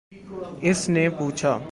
اس نے پوچھا